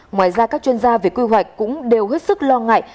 ngoài ra các chuyên gia về quy hoạch cũng đều hết sức lo ngại